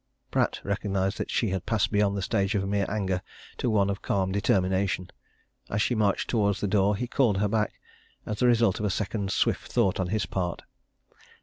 Pratt recognized that she had passed beyond the stage of mere anger to one of calm determination. And as she marched towards the door he called her back as the result of a second's swift thought on his part.